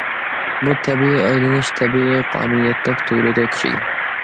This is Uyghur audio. بۇ تەبىئىي ئايلىنىش، تەبىئىي قانۇنىيەتتەك تۇيۇلىدۇ كىشىگە.